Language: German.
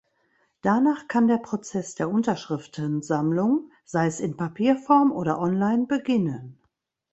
Danach kann der Prozess der Unterschriftensammlung, sei es in Papierform oder online, beginnen.